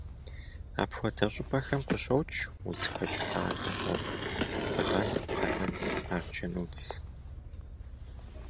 Апхуэдэ щӀыпӀэхэм къыщокӀ удзхэкӀ лъагэхэр: бгъэн, къамыл, арджэнудз.